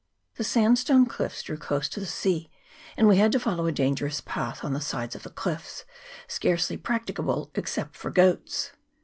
The sandstone cliffs drew close to the sea, and we had to follow a dangerous path on the sides of the cliffs, scarcely practicable except for goats.